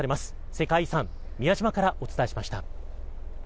世界遺産・宮島からお伝えしました。